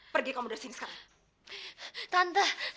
pergi kamu dari sini sekarang